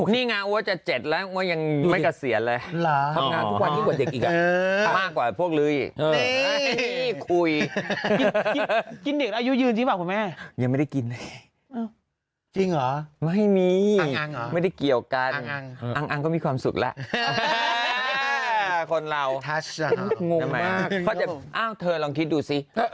นี่ไง๕๖๔๖๐แล้วคิดว่าจะ๗แล้วมันยังไม่กระเสียเหล่ะเธอลองคิดดูซิบ